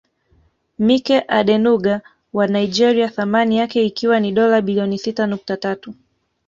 Mike Adenuga wa Nigeria thamani yake ikiwa ni dola bilioni sita nukta tatu